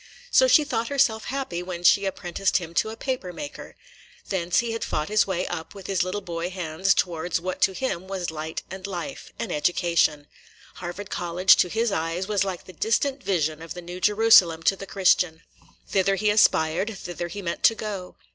So she thought herself happy when she apprenticed him to a paper maker. Thence he had fought his way up with his little boy hands towards what to him was light and life, – an education. Harvard College, to his eyes, was like the distant vision of the New Jerusalem to the Christian. Thither he aspired, thither he meant to go.